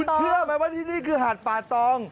เชื่อไหมว่าที่นี่คือหาดป่าตอง